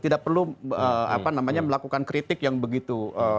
tidak perlu melakukan kritik yang begitu